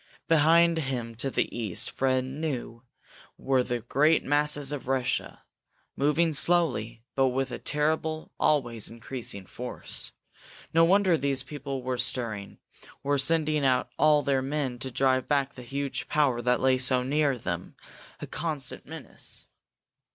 Behind him, to the east, Fred knew were the great masses of Russia, moving slowly, but with a terrible, always increasing force. No wonder these people were stirring, were sending out all their men to drive back the huge power that lay so near them, a constant menace!